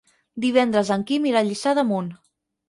Divendres en Quim irà a Lliçà d'Amunt.